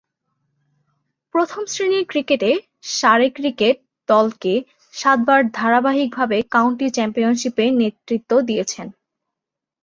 প্রথম-শ্রেণীর ক্রিকেটে সারে ক্রিকেট দলকে সাতবার ধারাবাহিকভাবে কাউন্টি চ্যাম্পিয়নশীপে নেতৃত্ব দিয়েছেন।